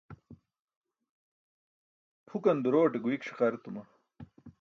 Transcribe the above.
Pʰukan durowaṭe guik ṣiqar etuma.